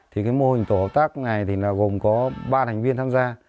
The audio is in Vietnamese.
thì cái mô hình tổ hợp tác này thì gồm có ba thành viên tham gia